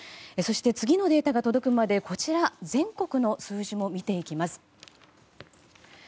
そして、次のデータが届くまで全国の数字も見ていきます。